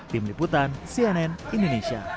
tim liputan cnn indonesia